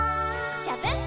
「ジャブン！」